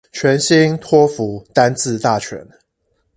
全新托福單字大全